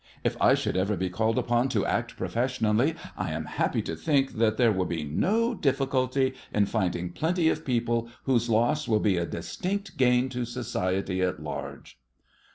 If I should ever be called upon to act professionally, I am happy to think that there will be no difficulty in finding plenty of people whose loss will be a distinct gain to society at large.